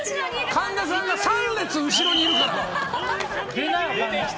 神田さんが３列後ろにいるから。